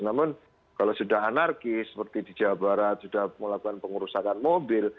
namun kalau sudah anarkis seperti di jawa barat sudah melakukan pengerusakan mobil